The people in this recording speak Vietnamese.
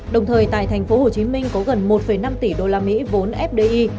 đồng thời tại tp hcm có gần một năm tỷ usd vốn fdi